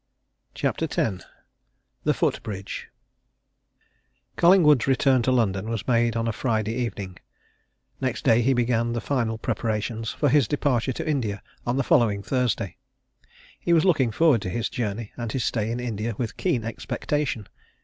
CHAPTER X THE FOOT BRIDGE Collingwood's return to London was made on a Friday evening: next day he began the final preparations for his departure to India on the following Thursday. He was looking forward to his journey and his stay in India with keen expectation.